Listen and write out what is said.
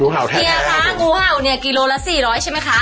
เฮียคะงูเห่าเนี่ยกิโลละ๔๐๐ใช่ไหมคะ